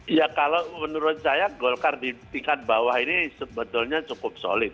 ya kalau menurut saya golkar di tingkat bawah ini sebetulnya cukup solid